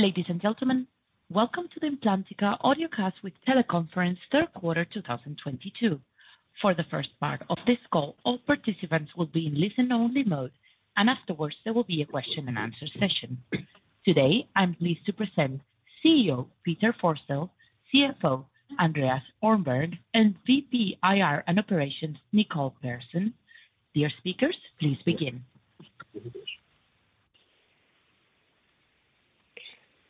Ladies and gentlemen, welcome to the Implantica Audiocast with Teleconference third quarter 2022. For the first part of this call, all participants will be in listen-only mode, and afterwards, there will be a question and answer session. Today, I'm pleased to present CEO Peter Forsell, CFO Andreas Öhrnberg, and VP IR and Operations Nicole Pehrsson. Dear speakers, please begin.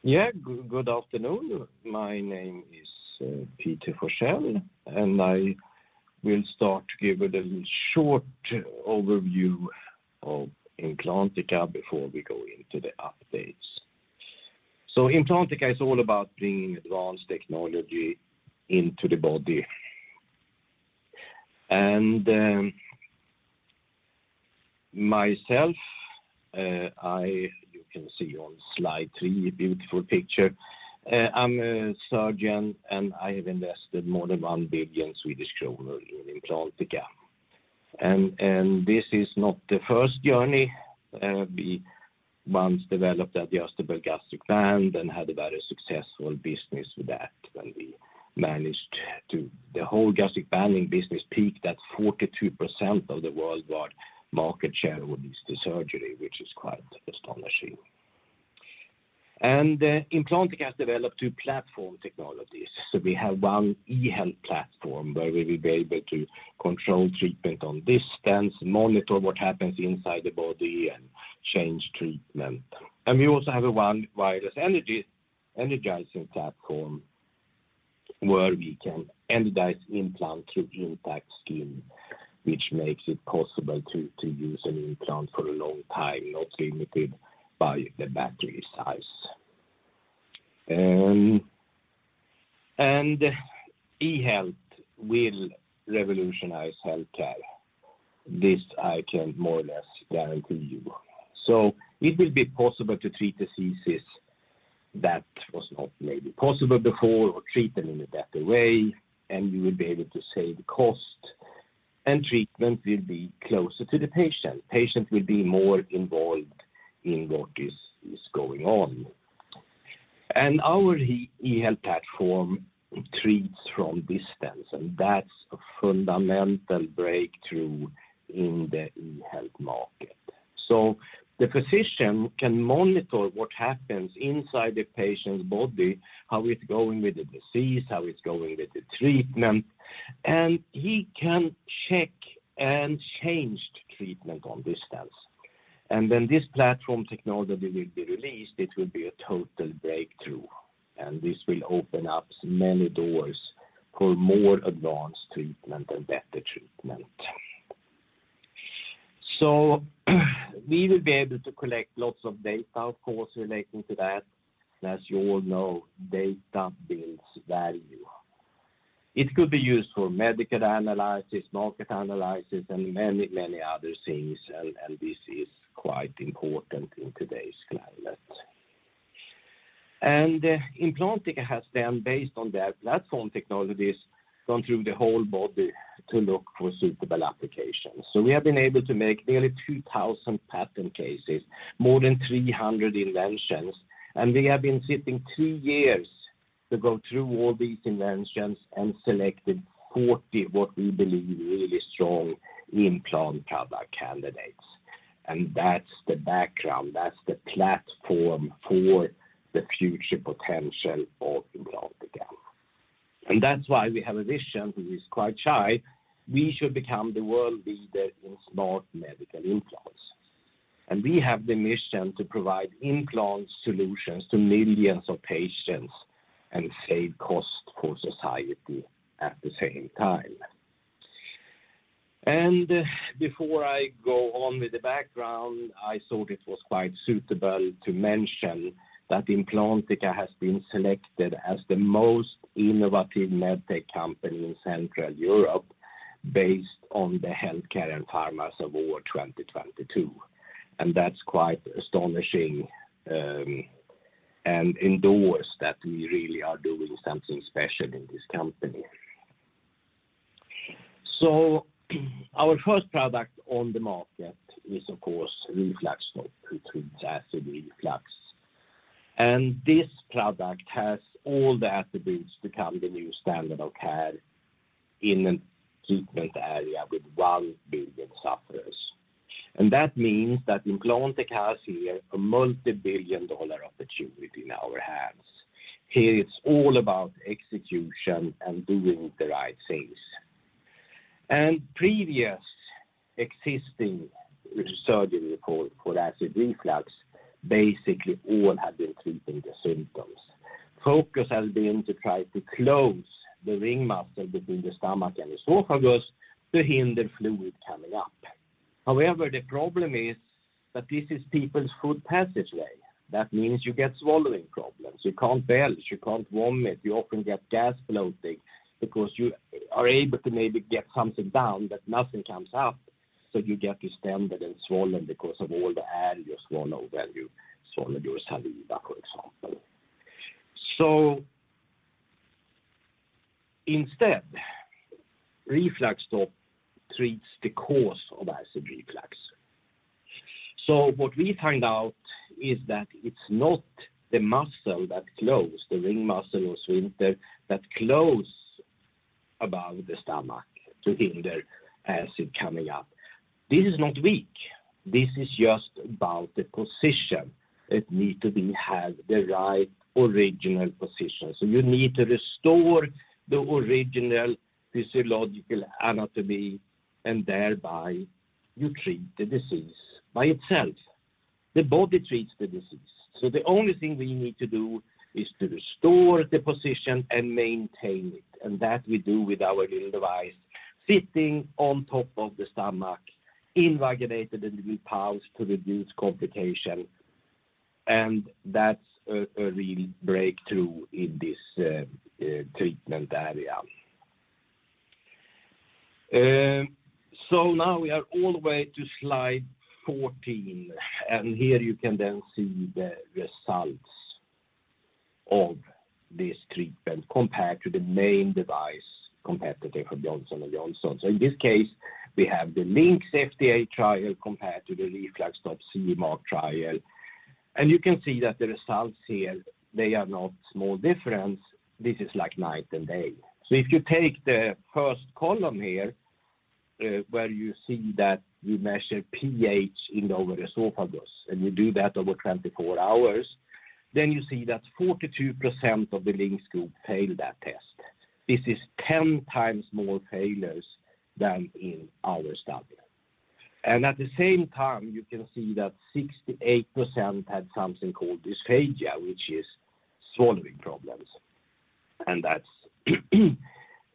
Yeah. Good afternoon. My name is Peter Forsell, and I will start to give a little short overview of Implantica before we go into the updates. Implantica is all about bringing advanced technology into the body. Myself, you can see on slide three a beautiful picture. I'm a surgeon, and I have invested more than 1 billion Swedish kronor in Implantica. This is not the first journey. We once developed adjustable gastric band and had a very successful business with that, the whole gastric banding business peaked at 42% of the worldwide market share with this surgery, which is quite astonishing. Implantica has developed two platform technologies. We have one e-health platform where we will be able to control treatment at distance, monitor what happens inside the body and change treatment. We also have a wireless energizing platform where we can energize implant through intact skin which makes it possible to use an implant for a long time, not limited by the battery size. e-health will revolutionize healthcare. This I can more or less guarantee you. It will be possible to treat diseases that was not maybe possible before or treat them in a better way, and you will be able to save cost. Treatment will be closer to the patient. Patient will be more involved in what is going on. Our e-health platform treats from distance, and that's a fundamental breakthrough in the e-health market. The physician can monitor what happens inside the patient's body, how it's going with the disease, how it's going with the treatment. He can check and change treatment on distance. When this platform technology will be released, it will be a total breakthrough, and this will open up many doors for more advanced treatment and better treatment. We will be able to collect lots of data, of course, relating to that. As you all know, data builds value. It could be used for medical analysis, market analysis, and many, many other things. This is quite important in today's climate. Implantica has then based on their platform technologies gone through the whole body to look for suitable applications. We have been able to make nearly 2,000 patent cases, more than 300 inventions. We have been sitting two years to go through all these inventions and selected 40 what we believe really strong implant product candidates. That's the background. That's the platform for the future potential of Implantica. That's why we have a vision which is quite high. We should become the world leader in smart medical implants. We have the mission to provide implant solutions to millions of patients and save cost for society at the same time. Before I go on with the background, I thought it was quite suitable to mention that Implantica has been selected as the most innovative medtech company in Central Europe based on the Healthcare & Pharma Awards 2022. That's quite astonishing, and it endorses that we really are doing something special in this company. Our first product on the market is, of course, RefluxStop, which treats acid reflux. This product has all the attributes to become the new standard of care in a treatment area with 1 billion sufferers. That means that Implantica has here a multi-billion dollar opportunity in our hands. Here it's all about execution and doing the right things. Previous existing surgery for acid reflux basically all have been treating the symptoms. Focus has been to try to close the ring muscle between the stomach and esophagus to hinder fluid coming up. However, the problem is that this is people's food passageway. That means you get swallowing problems. You can't belch. You can't vomit. You often get gas bloating because you are able to maybe get something down, but nothing comes up, so you get distended and swollen because of all the air you swallow when you swallow your saliva, for example. Instead, RefluxStop treats the cause of acid reflux. What we find out is that it's not the muscle that close, the ring muscle or sphincter that close above the stomach to hinder acid coming up. This is not weak. This is just about the position. It needs to have the right original position. You need to restore the original physiological anatomy, and thereby you treat the disease by itself. The body treats the disease. The only thing we need to do is to restore the position and maintain it. That we do with our little device sitting on top of the stomach, invaginated and we pulse to reduce complication. That's a real breakthrough in this treatment area. Now we are all the way to slide 14, and here you can then see the results of this treatment compared to the main device competitor for Johnson & Johnson. In this case, we have the LINX FDA trial compared to the RefluxStop CE Mark trial. You can see that the results here, they are not small difference. This is like night and day. If you take the first column here, where you see that we measure pH in lower esophagus, and we do that over 24 hours, then you see that 42% of the LINX group failed that test. This is ten times more failures than in our study. At the same time, you can see that 68% had something called dysphagia, which is swallowing problems. That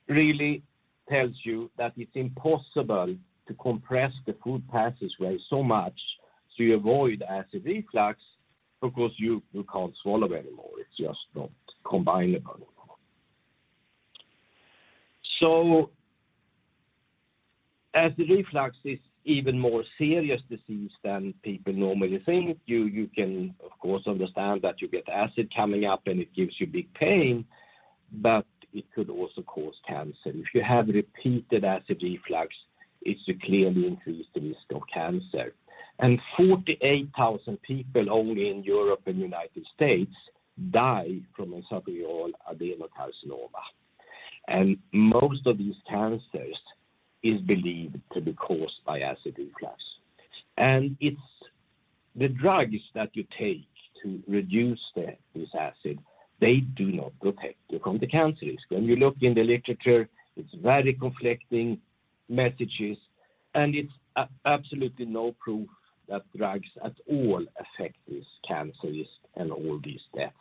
really tells you that it's impossible to compress the food passageway so much to avoid acid reflux because you can't swallow anymore. It's just not compatible. As the reflux is even more serious disease than people normally think, you can of course understand that you get acid coming up and it gives you big pain, but it could also cause cancer. If you have repeated acid reflux, it should clearly increase the risk of cancer. Forty-eight thousand people only in Europe and United States die from esophageal adenocarcinoma. Most of these cancers is believed to be caused by acid reflux. It's the drugs that you take to reduce this acid, they do not protect you from the cancer risk. When you look in the literature, it's very conflicting messages, and it's absolutely no proof that drugs at all affect this cancer risk and all these deaths.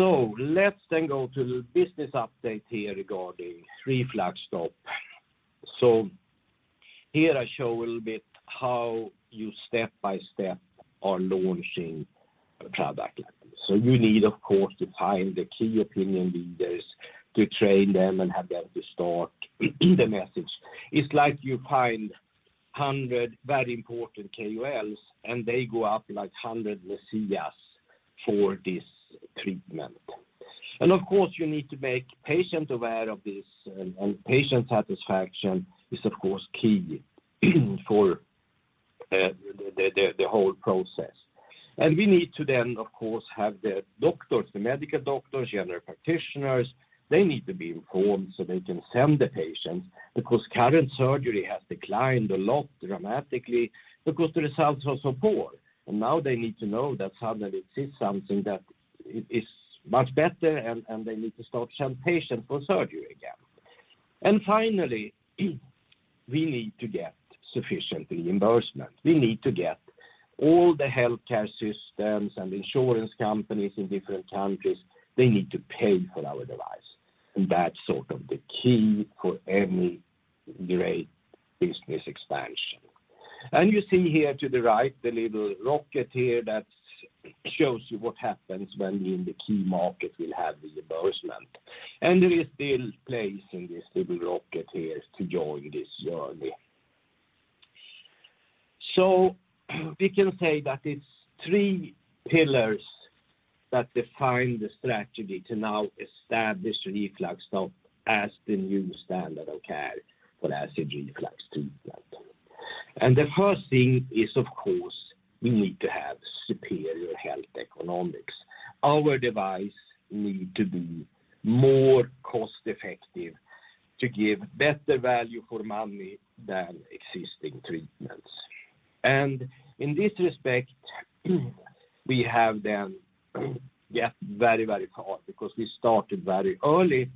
Let's then go to the business update here regarding RefluxStop. Here I show a little bit how you step-by-step are launching a product. You need, of course, to find the key opinion leaders to train them and have them to start the message. It's like you find 100 very important KOLs, and they go out like 100 messiahs for this treatment. Of course, you need to make patient aware of this, and patient satisfaction is of course key for the whole process. We need to then, of course, have the doctors, the medical doctors, general practitioners. They need to be informed so they can send the patients. Because current surgery has declined a lot dramatically because the results are so poor. Now they need to know that suddenly this is something that is much better, and they need to start send patient for surgery again. Finally, we need to get sufficient reimbursement. We need to get all the healthcare systems and insurance companies in different countries. They need to pay for our device. That's sort of the key for any great business expansion. You see here to the right, the little rocket here that shows you what happens when in the key market will have the reimbursement. There is still place in this little rocket here to join this journey. We can say that it's three pillars that define the strategy to now establish RefluxStop as the new standard of care for acid reflux treatment. The first thing is, of course, we need to have superior health economics. Our device need to be more cost-effective to give better value for money than existing treatments. In this respect, we have then get very, very far because we started very early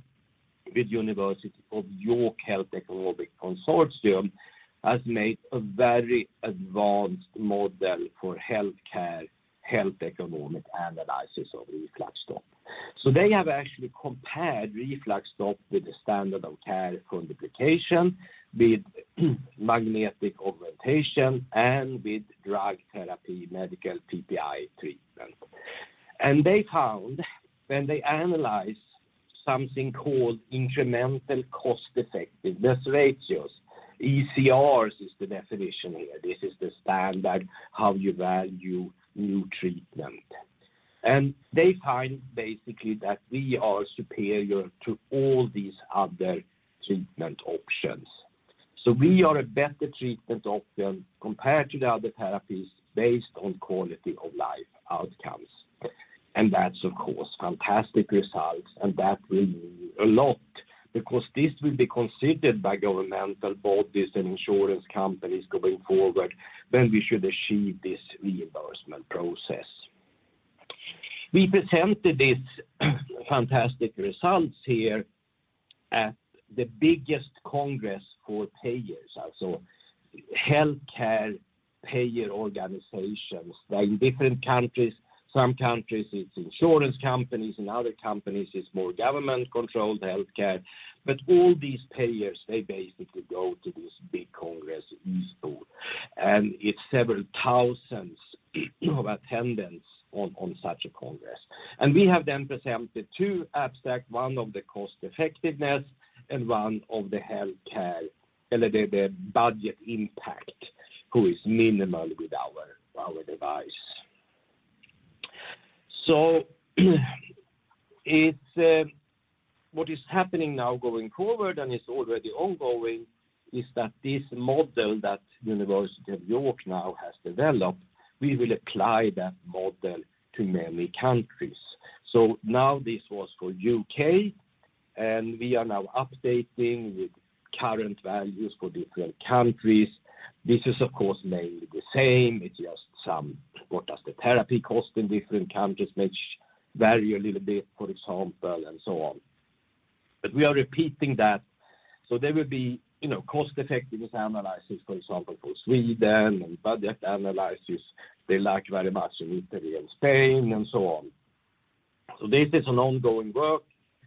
with York Health Economics Consortium, has made a very advanced model for healthcare, health economic analysis of RefluxStop. They have actually compared RefluxStop with the standard of care fundoplication, with magnetic augmentation, and with drug therapy medical PPI treatment. They found when they analyze something called incremental cost-effectiveness ratios, ICERs is the definition here. This is the standard how you value new treatment. They find basically that we are superior to all these other treatment options. We are a better treatment option compared to the other therapies based on quality of life outcomes. That's of course fantastic results, and that will mean a lot because this will be considered by governmental bodies and insurance companies going forward when we should achieve this reimbursement process. We presented these fantastic results here at the biggest congress for payers. Healthcare payer organizations like different countries, some countries, it's insurance companies, in other countries, it's more government-controlled healthcare. All these payers, they basically go to this big congress ISPOR. It's several thousand attendees at such a congress. We have then presented two abstracts, one on the cost-effectiveness and one on the budget impact, which is minimal with our device. It's what is happening now going forward and is already ongoing is that this model that University of York now has developed, we will apply that model to many countries. Now this was for UK, and we are now updating with current values for different countries. This is of course mainly the same. It's just some, what does the therapy cost in different countries, which vary a little bit, for example, and so on. We are repeating that, so there will be, you know, cost-effectiveness analysis, for example, for Sweden and budget analysis. They like very much in Italy and Spain, and so on. This is an ongoing work.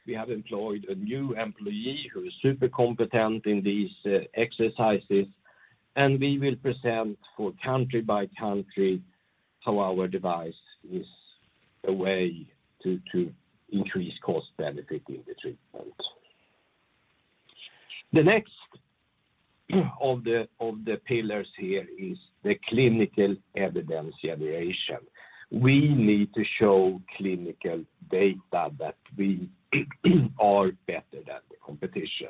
We have employed a new employee who is super competent in these exercises, and we will present for country by country how our device is a way to increase cost benefit in the treatment. The next of the pillars here is the clinical evidence generation. We need to show clinical data that we are better than the competition.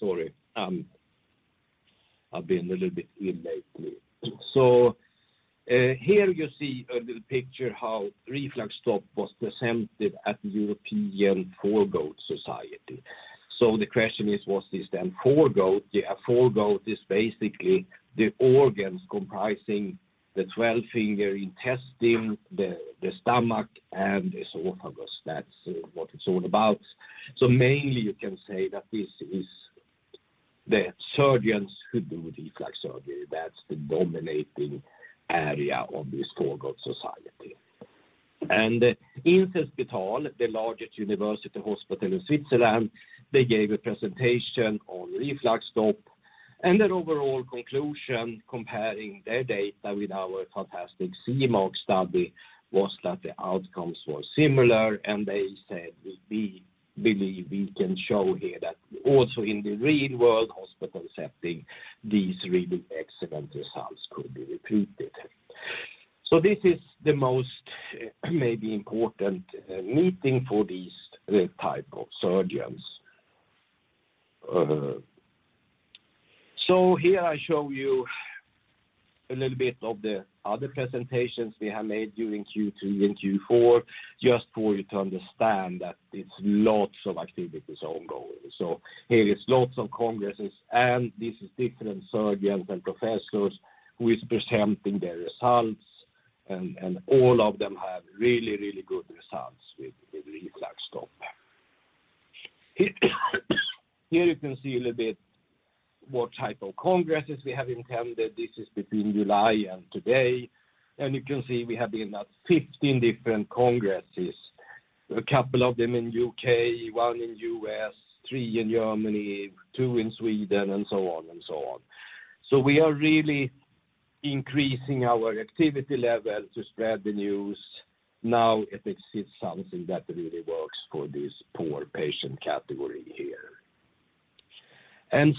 Sorry. I've been a little bit ill lately. Here you see a little picture how RefluxStop was presented at the European Foregut Society. The question is, what is then foregut? Foregut is basically the organs comprising the twelve-finger intestine, the stomach, and esophagus. That's what it's all about. Mainly you can say that this is the surgeons who do reflux surgery. That's the dominating area of this Foregut Society. In Inselspital, the largest university hospital in Switzerland, they gave a presentation on RefluxStop, and their overall conclusion comparing their data with our fantastic SEAMOCK study was that the outcomes were similar, and they said, "We believe we can show here that also in the real-world hospital setting, these really excellent results could be repeated." This is the most maybe important meeting for these type of surgeons. Here I show you a little bit of the other presentations we have made during Q3 and Q4, just for you to understand that it's lots of activities ongoing. Here is lots of congresses, and this is different surgeons and professors who is presenting their results and all of them have really, really good results with RefluxStop. Here you can see a little bit what type of congresses we have attended. This is between July and today. You can see we have been at 15 different congresses. A couple of them in U.K., one in U.S., three in Germany, two in Sweden, and so on and so on. We are really increasing our activity level to spread the news. Now it is something that really works for this poor patient category here.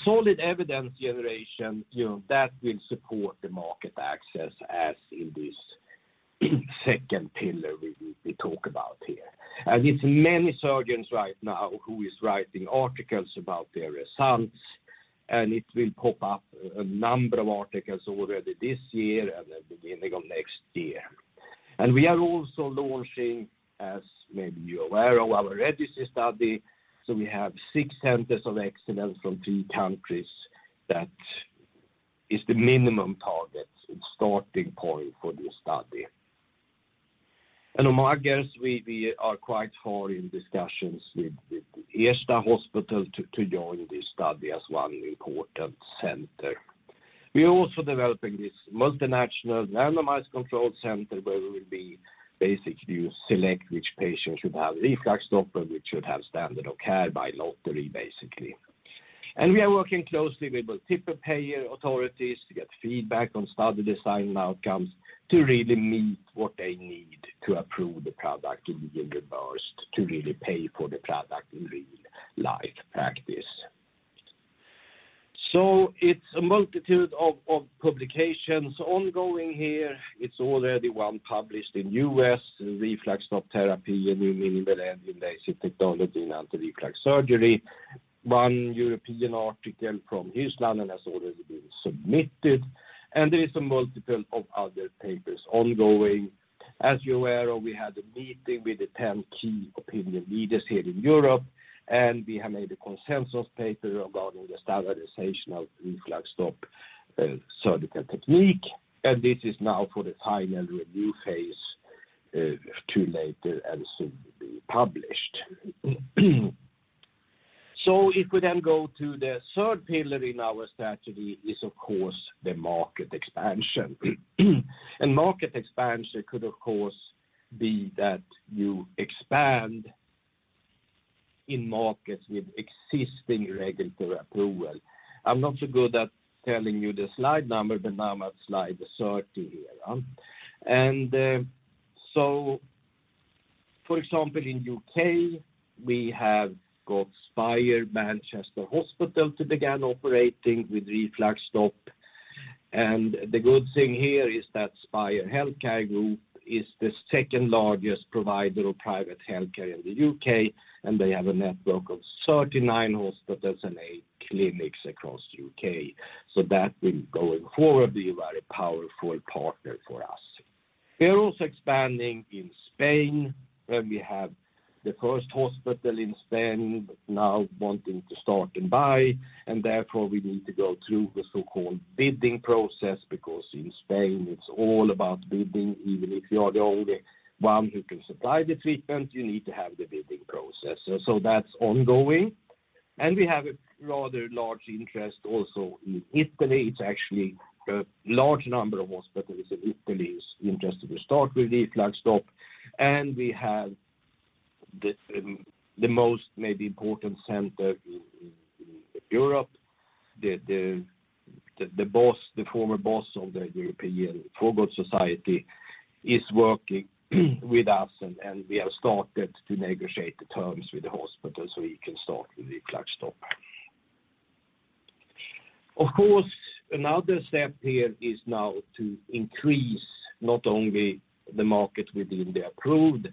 Solid evidence generation, you know, that will support the market access as in this second pillar we talk about here. It's many surgeons right now who is writing articles about their results, and it will pop up a number of articles already this year and at the beginning of next year. We are also launching, as maybe you're aware, our registry study, so we have six centers of excellence from three countries. That is the minimum target and starting point for this study. On margas, we are quite far in discussions with Ersta Hospital to join this study as one important center. We are also developing this multinational randomized controlled center, where we will be basically select which patient should have RefluxStop or which should have standard of care by lottery, basically. We are working closely with both the payer authorities to get feedback on study design outcomes to really meet what they need to approve the product and be reimbursed to really pay for the product in real-life practice. It's a multitude of publications ongoing here. It's already one published in the U.S., RefluxStop therapy, a new minimally invasive technology in anti-reflux surgery. One European article from Hirslanden has already been submitted, and there is a multitude of other papers ongoing. As you're aware, we had a meeting with the 10 key opinion leaders here in Europe, and we have made a consensus paper regarding the standardization of RefluxStop surgical technique. This is now for the final review phase, to be later and soon to be published. If we then go to the third pillar in our strategy is, of course, the market expansion. Market expansion could, of course, be that you expand in markets with existing regulatory approval. I'm not so good at telling you the slide number, but now I'm at slide 30 here. For example, in U.K., we have got Spire Manchester Hospital to begin operating with RefluxStop. The good thing here is that Spire Healthcare Group is the second largest provider of private healthcare in the U.K., and they have a network of 39 hospitals and eight clinics across U.K. That will going forward, be a very powerful partner for us. We are also expanding in Spain, where we have the first hospital in Spain now wanting to start and buy, and therefore we need to go through the so-called bidding process, because in Spain, it's all about bidding. Even if you are the only one who can supply the treatment, you need to have the bidding process. That's ongoing. We have a rather large interest also in Italy. It's actually a large number of hospitals in Italy is interested to start with RefluxStop. We have the most maybe important center in Europe. The former boss of the European Foregut Society is working with us, and we have started to negotiate the terms with the hospital, so we can start with RefluxStop. Of course, another step here is now to increase not only the market within the approved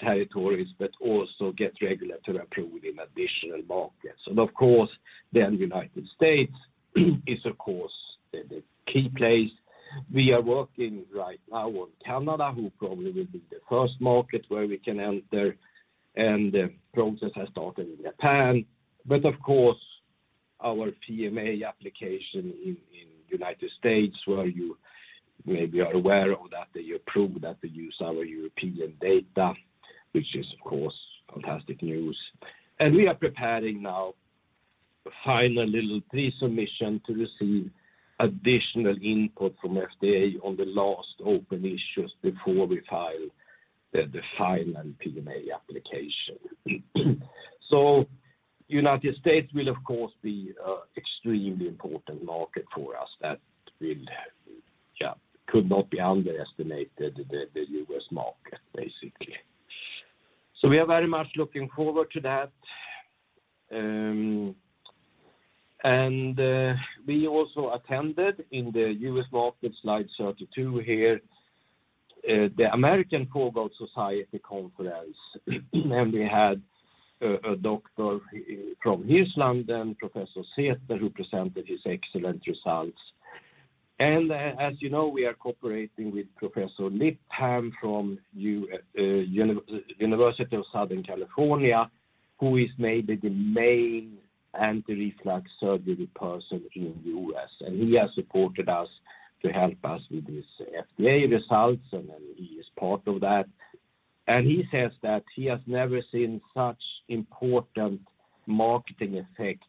territories, but also get regulatory approval in additional markets. Of course, then United States is, of course, the key place. We are working right now on Canada, who probably will be the first market where we can enter, and the process has started in Japan. Of course, our PMA application in United States, where you maybe are aware of that, they approved that they use our European data, which is, of course, fantastic news. We are preparing now a final little pre-submission to receive additional input from FDA on the last open issues before we file the final PMA application. United States will, of course, be extremely important market for us. That could not be underestimated, the U.S. market, basically. We are very much looking forward to that. We also attended in the U.S. market, slide 32 here, the American Foregut Society conference. We had a doctor from Hirslanden, Professor Zehetner, who presented his excellent results. As you know, we are cooperating with Professor Lipham from University of Southern California, who is maybe the main anti-reflux surgery person in the U.S. He has supported us to help us with his FDA results, and then he is part of that. He says that he has never seen such important marketing effect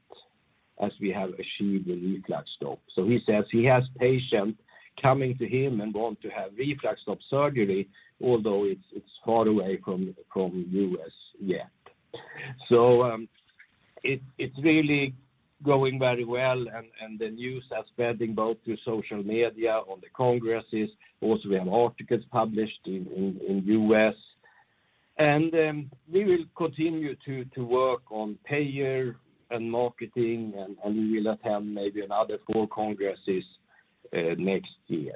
as we have achieved with RefluxStop. He says he has patient coming to him and want to have RefluxStop surgery, although it's far away from U.S. yet. It's really going very well, and the news are spreading both through social media, on the congresses. Also, we have articles published in U.S. We will continue to work on payer and marketing, and we will attend maybe another four congresses next year.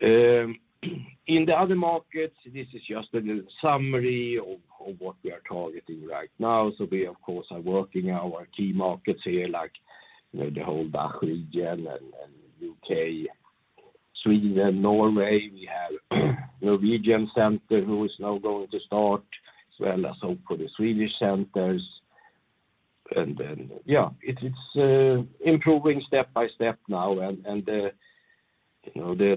In the other markets, this is just a summary of what we are targeting right now. We, of course, are working our key markets here, like, you know, the whole DACH region and U.K. Sweden, Norway, we have Norwegian center who is now going to start, as well as hope for the Swedish centers. It's improving step by step now. The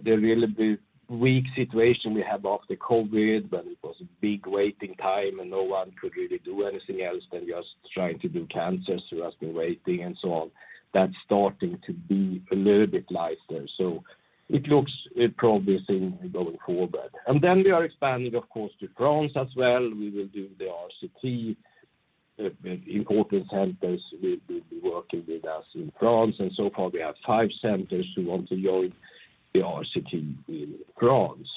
really big weak situation we have after COVID, when it was a big waiting time and no one could really do anything else than just trying to do cancers who has been waiting and so on. That's starting to be a little bit lighter. It looks promising going forward. Then we are expanding, of course, to France as well. We will do the RCT. Important centers will be working with us in France. So far, we have five centers who want to join the RCT in France.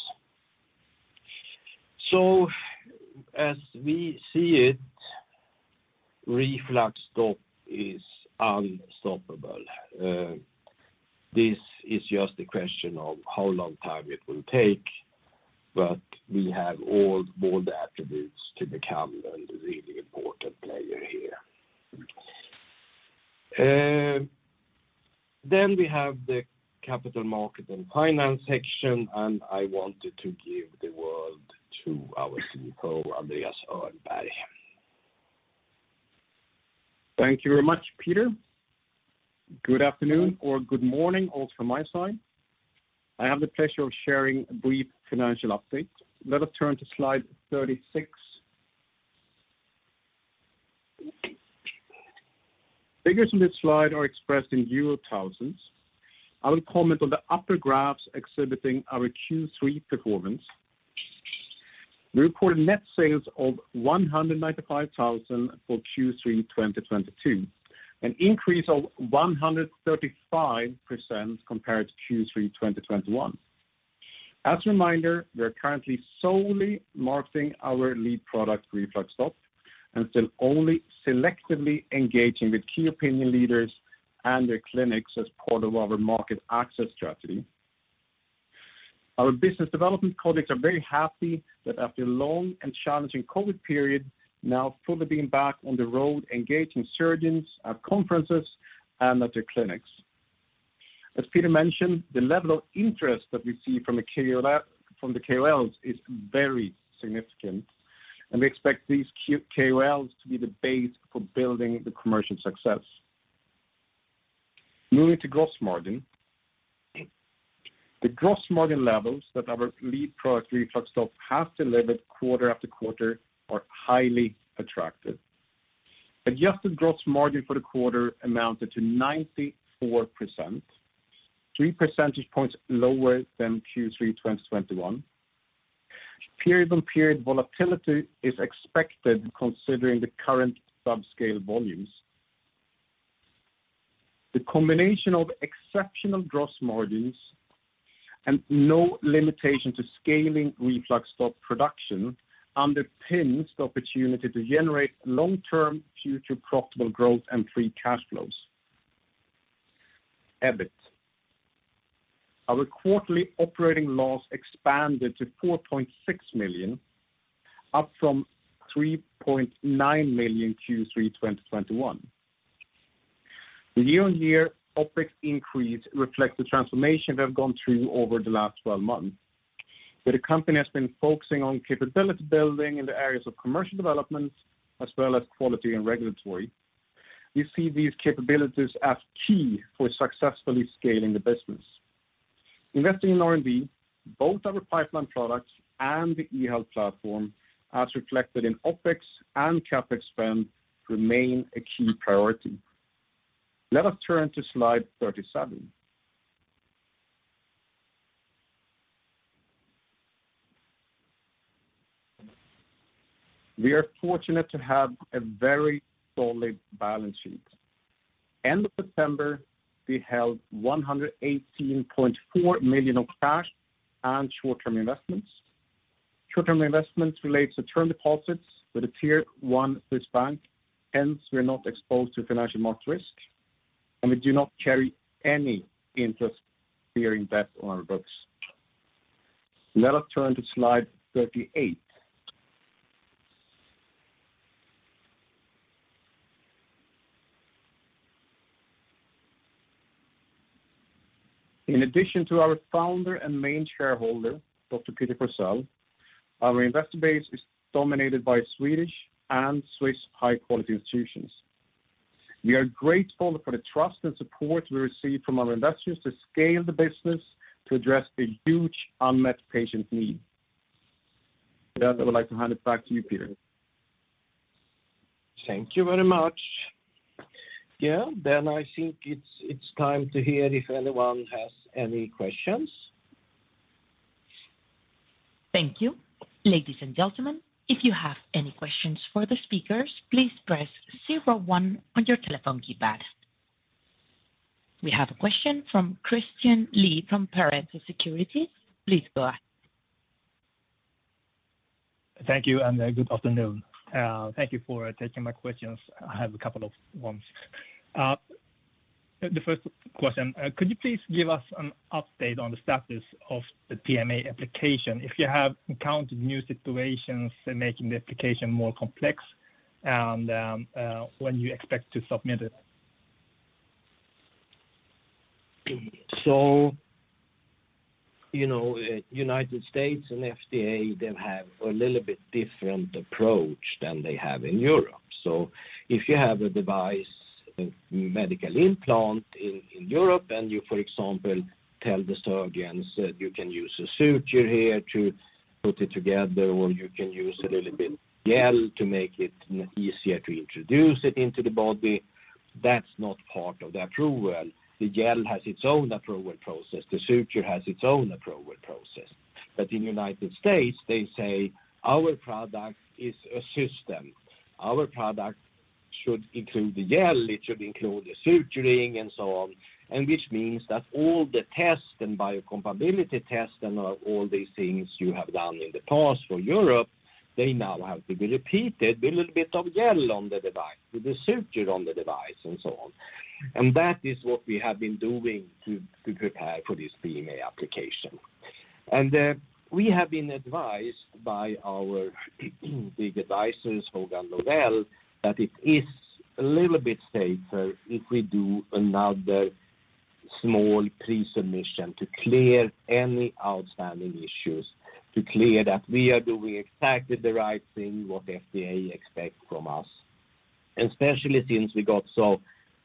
As we see it, RefluxStop is unstoppable. This is just a question of how long time it will take, but we have all bold attributes to become a really important player here. We have the capital market and finance section, and I wanted to give the word to our CEO, Andreas Öhrnberg. Thank you very much, Peter. Good afternoon or good morning also on my side. I have the pleasure of sharing a brief financial update. Let us turn to slide 36. Figures in this slide are expressed in euro thousands. I will comment on the upper graphs exhibiting our Q3 performance. We recorded net sales of 195 thousand for Q3 2022, an increase of 135% compared to Q3 2021. As a reminder, we are currently solely marketing our lead product, RefluxStop, and still only selectively engaging with key opinion leaders and their clinics as part of our market access strategy. Our business development colleagues are very happy that after a long and challenging COVID period, now fully being back on the road, engaging surgeons at conferences and at their clinics. As Peter mentioned, the level of interest that we see from the KOL, from the KOLs is very significant, and we expect these key KOLs to be the base for building the commercial success. Moving to gross margin. The gross margin levels that our lead product, RefluxStop, has delivered quarter after quarter are highly attractive. Adjusted gross margin for the quarter amounted to 94%, three percentage points lower than Q3 2021. Period-on-period volatility is expected considering the current subscale volumes. The combination of exceptional gross margins and no limitation to scaling RefluxStop production underpins the opportunity to generate long-term future profitable growth and free cash flows. EBIT. Our quarterly operating loss expanded to 4.6 million, up from 3.9 million Q3 2021. The year-on-year OpEx increase reflects the transformation we have gone through over the last 12 months, where the company has been focusing on capability building in the areas of commercial development as well as quality and regulatory. We see these capabilities as key for successfully scaling the business. Investing in R&D, both our pipeline products and the eHealth platform, as reflected in OpEx and CapEx spend, remain a key priority. Let us turn to slide 37. We are fortunate to have a very solid balance sheet. End of September, we held 118.4 million of cash and short-term investments. Short-term investments relate to term deposits with a tier-one Swiss bank. Hence, we are not exposed to financial market risk, and we do not carry any interest-bearing debt on our books. Let us turn to slide 38. In addition to our founder and main shareholder, Dr. Peter Forsell, our investor base is dominated by Swedish and Swiss high-quality institutions. We are grateful for the trust and support we receive from our investors to scale the business to address the huge unmet patient need. With that, I would like to hand it back to you, Peter. Thank you very much. Yeah. I think it's time to hear if anyone has any questions. Thank you. Ladies and gentlemen, if you have any questions for the speakers, please press zero one on your telephone keypad. We have a question from Christian Lee from Pareto Securities. Please go ahead. Thank you and good afternoon. Thank you for taking my questions. I have a couple of ones. The first question, could you please give us an update on the status of the PMA application, if you have encountered new situations making the application more complex and when you expect to submit it? You know, United States and FDA, they have a little bit different approach than they have in Europe. If you have a device, medical implant in Europe, and you, for example, tell the surgeons that you can use a suture here to put it together, or you can use a little bit gel to make it easier to introduce it into the body, that's not part of the approval. The gel has its own approval process. The suture has its own approval process. In United States, they say our product is a system. Our product should include the gel, it should include the suturing and so on. Which means that all the tests and biocompatibility tests and all these things you have done in the past for Europe, they now have to be repeated with a little bit of gel on the device, with the suture on the device and so on. That is what we have been doing to prepare for this PMA application. We have been advised by our big advisors, Hogan Lovells, that it is a little bit safer if we do another small pre-submission to clear any outstanding issues, to clear that we are doing exactly the right thing, what FDA expect from us. Especially since we got so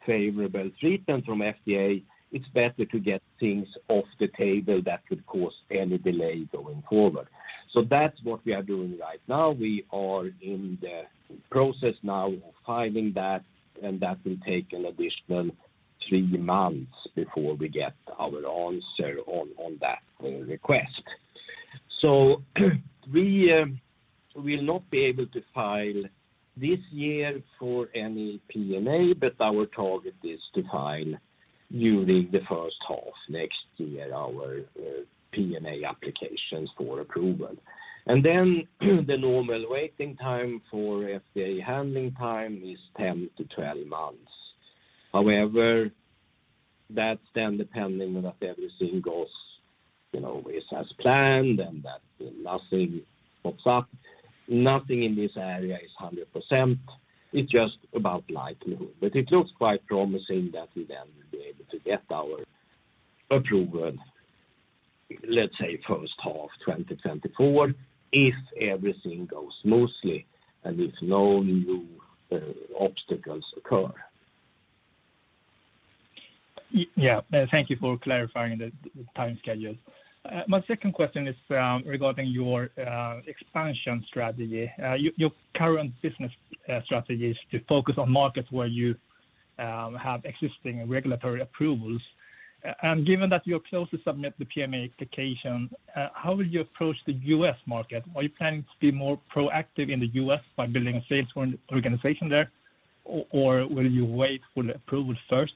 favorable treatment from FDA, it's better to get things off the table that could cause any delay going forward. That's what we are doing right now. We are in the process now of filing that, and that will take an additional 3 months before we get our answer on that request. We will not be able to file this year for any PMA, but our target is to file during the first half next year our PMA applications for approval. The normal waiting time for FDA handling time is 10-12 months. However, that's then depending that everything goes, you know, is as planned and that nothing pops up. Nothing in this area is 100%. It's just about likelihood. It looks quite promising that we then will be able to get our approval, let's say first half 2024, if everything goes smoothly and if no new obstacles occur. Yeah. Thank you for clarifying the time schedule. My second question is regarding your expansion strategy. Your current business strategy is to focus on markets where you have existing regulatory approvals. Given that you're close to submit the PMA application, how will you approach the U.S. market? Are you planning to be more proactive in the U.S. by building a sales organization there, or will you wait for the approval first?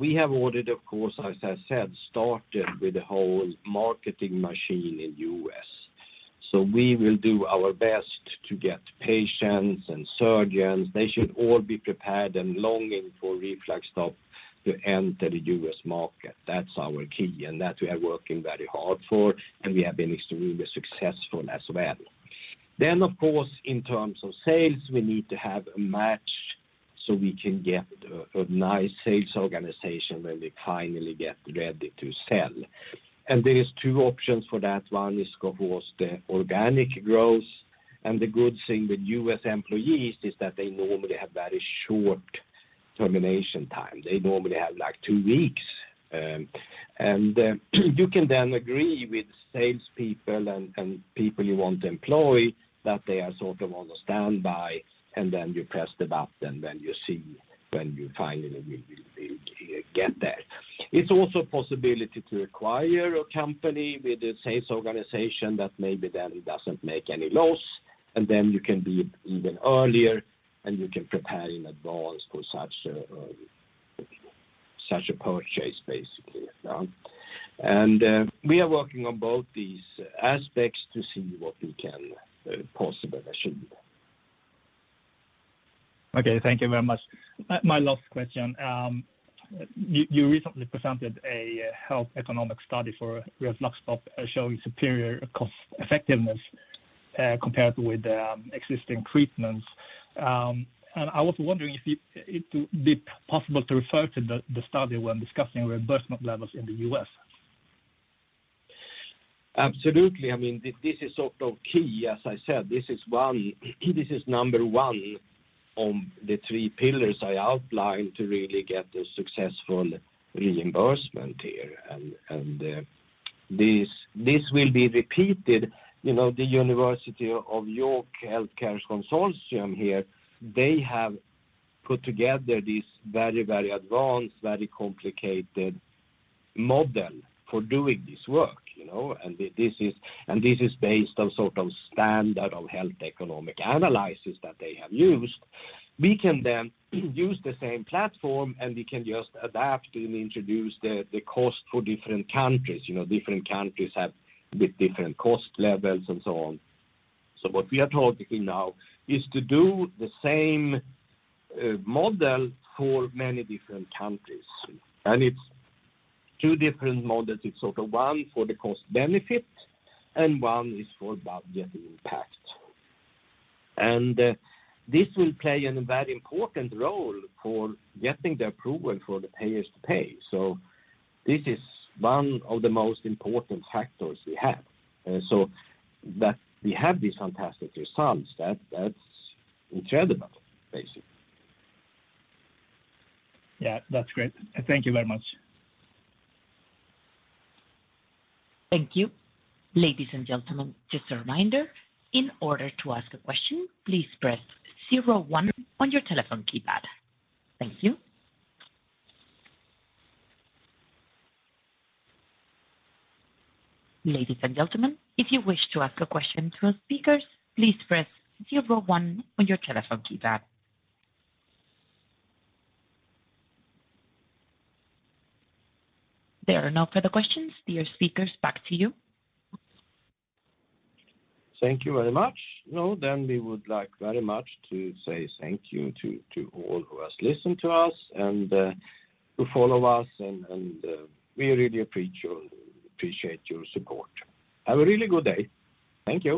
We have already, of course, as I said, started with the whole marketing machine in U.S. We will do our best to get patients and surgeons. They should all be prepared and longing for RefluxStop to enter the U.S. market. That's our key, and that we are working very hard for, and we have been extremely successful as well. Of course, in terms of sales, we need to have a match so we can get a nice sales organization when we finally get ready to sell. There is two options for that. One is, of course, the organic growth. The good thing with U.S. employees is that they normally have very short termination time. They normally have, like, two weeks. You can then agree with salespeople and people you want to employ that they are sort of on the standby, and then you press the button. Then you see when you finally you get there. It's also a possibility to acquire a company with a sales organization that maybe then doesn't make any loss. Then you can be even earlier, and you can prepare in advance for such a purchase, basically. We are working on both these aspects to see what we can possibly achieve. Okay, thank you very much. My last question. You recently presented a health economic study for RefluxStop, showing superior cost-effectiveness, compared with the existing treatments. I was wondering if it would be possible to refer to the study when discussing reimbursement levels in the U.S. Absolutely. I mean, this is sort of key. As I said, this is number one on the three pillars I outlined to really get a successful reimbursement here. This will be repeated. You know, the York Health Economics Consortium here, they have put together this very, very advanced, very complicated model for doing this work, you know. This is based on sort of standard of health economic analysis that they have used. We can then use the same platform, and we can just adapt and introduce the cost for different countries. You know, different countries have bit different cost levels and so on. What we are talking now is to do the same model for many different countries. It's two different models. It's sort of one for the cost benefit and one is for budget impact. This will play a very important role for getting the approval for the payers to pay. This is one of the most important factors we have. That we have these fantastic results, that's incredible, basically. Yeah. That's great. Thank you very much. Thank you. Ladies and gentlemen, just a reminder, in order to ask a question, please press zero one on your telephone keypad. Thank you. Ladies and gentlemen, if you wish to ask a question to our speakers, please press zero one on your telephone keypad. There are no further questions. Dear speakers, back to you. Thank you very much. Now, we would like very much to say thank you to all who has listened to us and who follow us and we really appreciate your support. Have a really good day. Thank you.